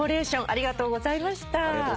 ありがとうございます。